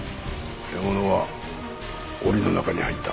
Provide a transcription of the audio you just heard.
獲物は檻の中に入った。